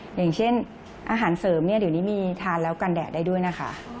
อย่างเช่นอาหารเสริมเนี่ยเดี๋ยวนี้มีทานแล้วกันแดดได้ด้วยนะคะ